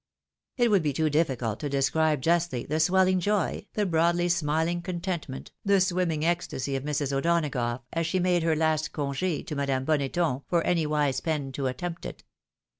It would be too difficult to describe justly the swelling joy, the broadly smiling contentment, the swimming ecstasy of Mrs. O'Donagough, as she made her last conge to Madame Boneton, for any wise pen to attempt it.